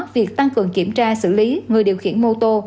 việc tăng cường kiểm tra xử lý người điều khiển mô tô